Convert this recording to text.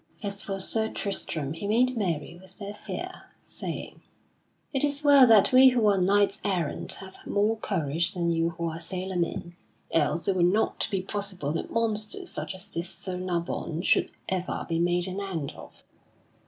As for Sir Tristram he made merry with their fear, saying: "It is well that we who are knights errant have more courage than you who are sailor men, else it would not be possible that monsters such as this Sir Nabon should ever be made an end of."